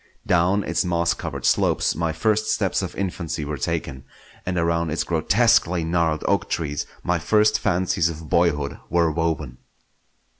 Down its moss covered slopes my first steps of infancy were taken, and around its grotesquely gnarled oak trees my first fancies of boyhood were woven.